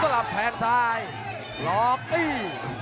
สำหรับแผนซายหลอบตี